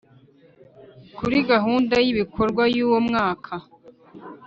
kuri gahunda y ibikorwa y uwo mwaka